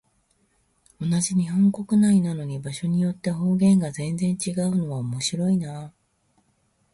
同じ日本国内なのに、場所によって方言が全然違うのは面白いなあ。